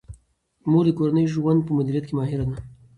مور د کورني ژوند په مدیریت کې ماهر ده.